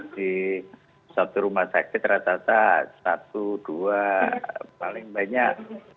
di satu rumah sakit rata rata satu dua paling banyak